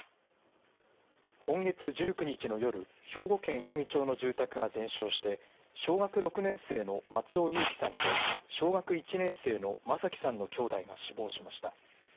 今月１９日の夜兵庫県稲美町の住宅が全焼して小学６年生の松尾侑城さんと小学１年生の眞輝さんの兄弟が死亡しました。